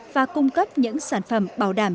và cung cấp những sản phẩm bảo đảm